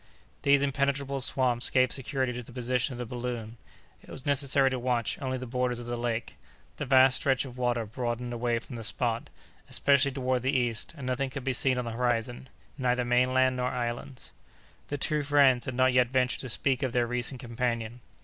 These impenetrable swamps gave security to the position of the balloon. It was necessary to watch only the borders of the lake. The vast stretch of water broadened away from the spot, especially toward the east, and nothing could be seen on the horizon, neither mainland nor islands. The two friends had not yet ventured to speak of their recent companion.